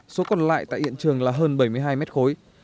số còn lại tại hiện trường là hơn bảy mươi hai mét khối